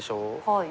はい。